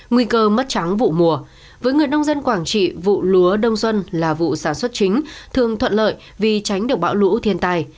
nguy cơ mất trắng vụ mùa với người nông dân quảng trị vụ lúa đông xuân là vụ sản xuất chính thường thuận lợi vì tránh được bão lũ thiên tài